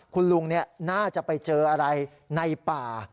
คุณลุงน่าจะไปเจออะไรในป่า